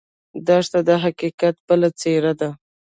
دښته د حقیقت بله څېره ده.